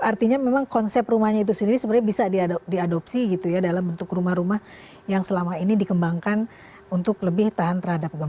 artinya memang konsep rumahnya itu sendiri sebenarnya bisa diadopsi gitu ya dalam bentuk rumah rumah yang selama ini dikembangkan untuk lebih tahan terhadap gempa